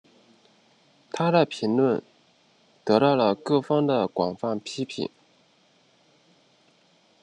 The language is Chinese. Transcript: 她的评论得到了各方的广泛批评。